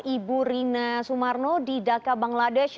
ibu rina sumarno di dhaka bangladesh